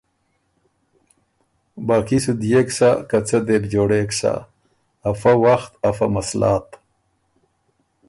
باقي سو ديېک سۀ که څۀ دې بو جوړېک سۀ ”افۀ وخت افۀ مسلات“